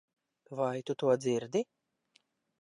Vai tu to dzirdi?